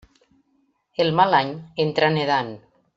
El mal any entra nedant.